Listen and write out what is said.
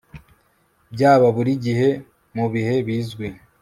byaba buri gihe mu bihe bizwi